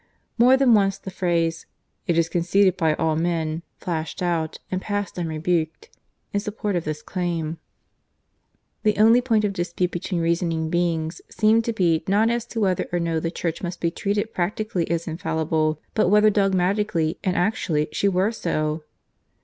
More than once the phrase "It is conceded by all men" flashed out, and passed unrebuked, in support of this claim. The only point of dispute between reasoning beings seemed to be not as to whether or no the Church must be treated practically as infallible, but whether dogmatically and actually she were so!